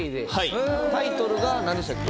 タイトルがなんでしたっけ？